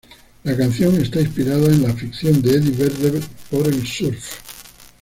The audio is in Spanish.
La canción está inspirada en la afición de Eddie Vedder por el surf.